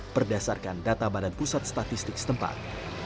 berdasarkan data badan pusat statistik setempat